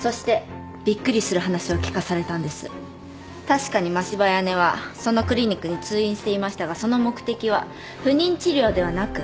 確かに真柴綾音はそのクリニックに通院していましたがその目的は不妊治療ではなく。